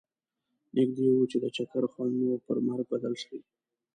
نږدي و چې د چکر خوند مو پر مرګ بدل شي.